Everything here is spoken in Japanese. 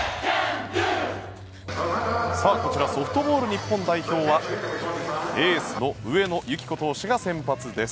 こちらソフトボール日本代表はエースの上野由岐子投手が先発です。